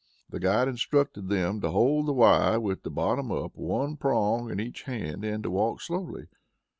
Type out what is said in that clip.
The guide instructed them to hold the Y with the bottom up, one prong in each hand and to walk slowly.